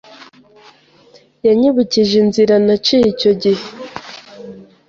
yanyibukije inzira naciye, icyo gihe